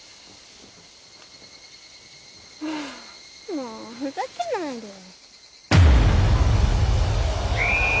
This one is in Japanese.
もうふざけないでよ。